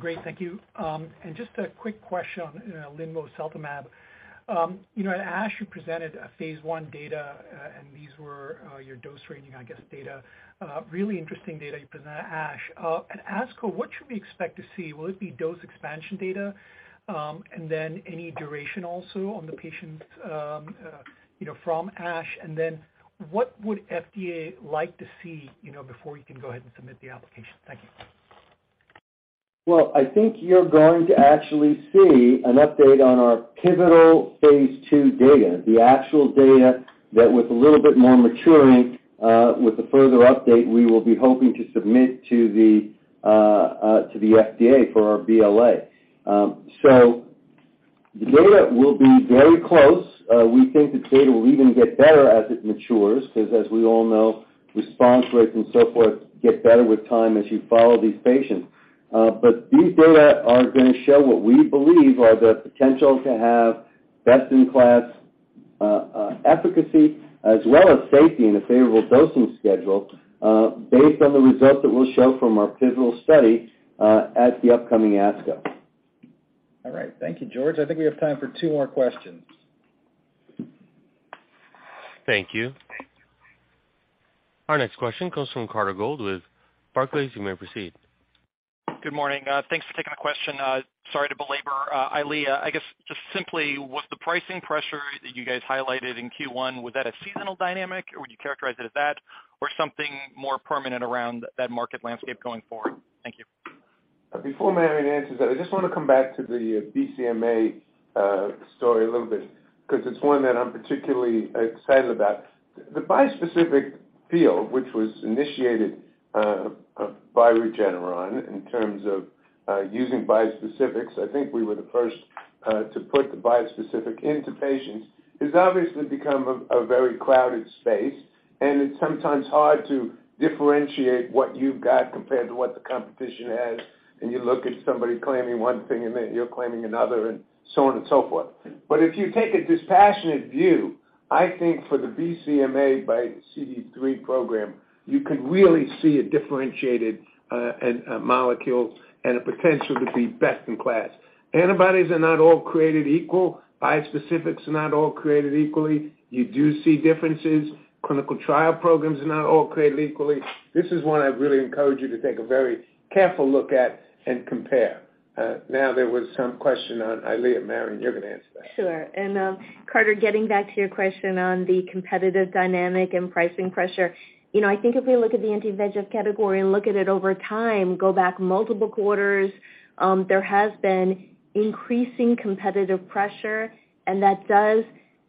Great, thank you. And just a quick question on linvoseltamab. You know, at ASH, you presented a phase I data, and these were your dose ranging, I guess, data. Really interesting data you present at ASH. At ASCO, what should we expect to see? Will it be dose expansion data? And then any duration also on the patients, you know, from ASH? What would FDA like to see, you know, before you can go ahead and submit the application? Thank you. Well, I think you're going to actually see an update on our pivotal phase II data, the actual data that with a little bit more maturing, with the further update, we will be hoping to submit to the FDA for our BLA. The data will be very close. We think the data will even get better as it matures, 'cause as we all know, response rates and so forth get better with time as you follow these patients. These data are gonna show what we believe are the potential to have best-in-class efficacy as well as safety and a favorable dosing schedule, based on the results that we'll show from our pivotal study, at the upcoming ASCO. All right. Thank you, George. I think we have time for two more questions. Thank you. Our next question comes from Carter Gould with Barclays. You may proceed. Good morning. Thanks for taking the question. Sorry to belabor EYLEA. I guess just simply, was the pricing pressure that you guys highlighted in Q1, was that a seasonal dynamic, or would you characterize it as that, or something more permanent around that market landscape going forward? Thank you. Before Marion answers that, I just wanna come back to the BCMA story a little bit 'cause it's one that I'm particularly excited about. The bispecific field, which was initiated by Regeneron in terms of using bispecifics, I think we were the first to put the bispecific into patients, has obviously become a very crowded space, and it's sometimes hard to differentiate what you've got compared to what the competition has. You look at somebody claiming one thing, and then you're claiming another, and so on and so forth. If you take a dispassionate view, I think for the BCMA x CD3 program, you could really see a differentiated molecule and a potential to be best in class. Antibodies are not all created equal. Bispecifics are not all created equally. You do see differences. Clinical trial programs are not all created equally. This is one I really encourage you to take a very careful look at and compare. Now there was some question on EYLEA. Marion, you're gonna answer that. Sure. Carter, getting back to your question on the competitive dynamic and pricing pressure. You know, I think if we look at the anti-VEGF category and look at it over time, go back multiple quarters, there has been increasing competitive pressure, and that does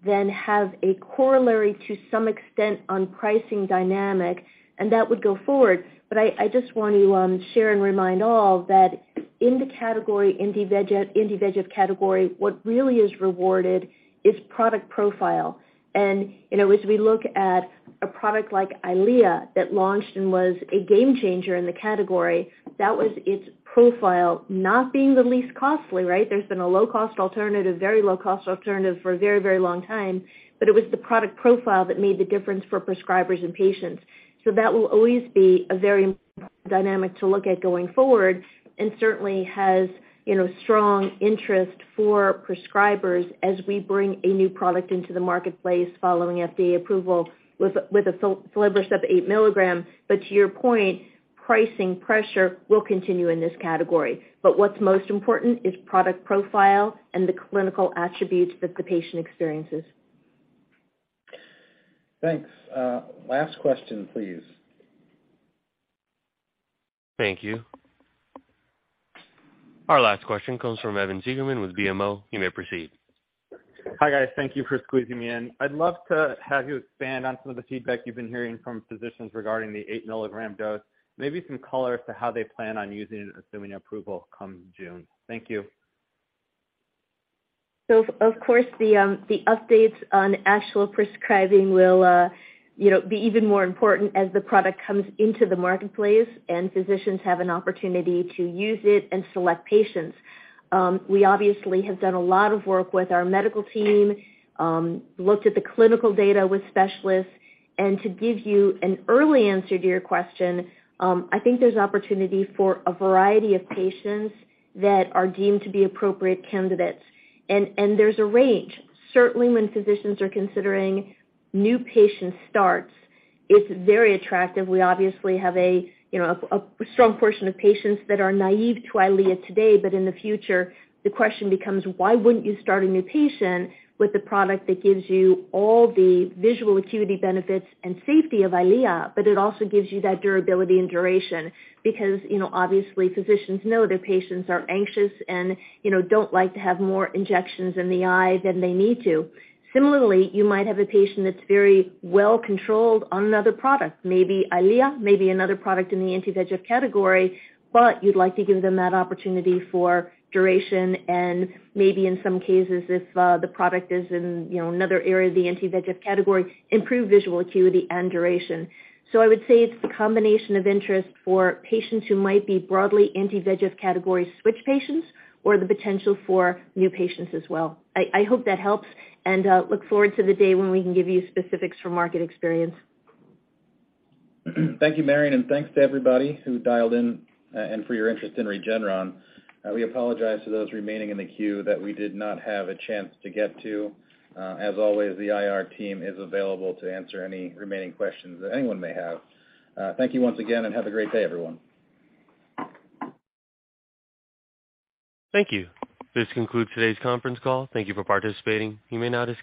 then have a corollary to some extent on pricing dynamic, and that would go forward. I just want to share and remind all that in the category, anti-VEGF category, what really is rewarded is product profile. You know, as we look at a product like EYLEA that launched and was a game changer in the category, that was its profile. Not being the least costly, right? There's been a low cost alternative, very low cost alternative for a very, very long time, but it was the product profile that made the difference for prescribers and patients. That will always be a very dynamic to look at going forward and certainly has, you know, strong interest for prescribers as we bring a new product into the marketplace following FDA approval with the aflibercept 8 mg. To your point, pricing pressure will continue in this category. What's most important is product profile and the clinical attributes that the patient experiences. Thanks. Last question, please. Thank you. Our last question comes from Evan Seigerman with BMO. You may proceed. Hi, guys. Thank you for squeezing me in. I'd love to have you expand on some of the feedback you've been hearing from physicians regarding the 8 mg dose. Maybe some color as to how they plan on using it, assuming approval come June. Thank you. Of course, the updates on actual prescribing will, you know, be even more important as the product comes into the marketplace and physicians have an opportunity to use it and select patients. We obviously have done a lot of work with our medical team, looked at the clinical data with specialists. To give you an early answer to your question, I think there's opportunity for a variety of patients that are deemed to be appropriate candidates, and there's a range. Certainly, when physicians are considering new patient starts, it's very attractive. We obviously have a, you know, strong portion of patients that are naive to EYLEA today. In the future, the question becomes why wouldn't you start a new patient with a product that gives you all the visual acuity benefits and safety of EYLEA, but it also gives you that durability and duration? Because, you know, obviously physicians know their patients are anxious and, you know, don't like to have more injections in the eye than they need to. Similarly, you might have a patient that's very well controlled on another product, maybe EYLEA, maybe another product in the anti-VEGF category, but you'd like to give them that opportunity for duration and maybe in some cases, if the product is in, you know, another area of the anti-VEGF category, improve visual acuity and duration. I would say it's a combination of interest for patients who might be broadly anti-VEGF category switch patients or the potential for new patients as well. I hope that helps and look forward to the day when we can give you specifics from market experience. Thank you, Marion, and thanks to everybody who dialed in, and for your interest in Regeneron. We apologize to those remaining in the queue that we did not have a chance to get to. As always, the IR team is available to answer any remaining questions that anyone may have. Thank you once again, and have a great day, everyone. Thank you. This concludes today's conference call. Thank you for participating. You may now disconnect.